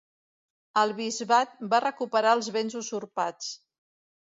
El bisbat va recuperar els béns usurpats.